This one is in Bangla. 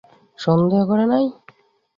সন্দেহ করে নাই!